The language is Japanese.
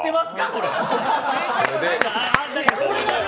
これ。